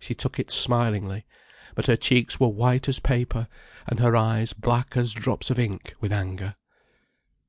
She took it smilingly. But her cheeks were white as paper, and her eyes black as drops of ink, with anger.